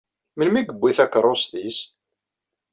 Melmi i yewwi takeṛṛust-is?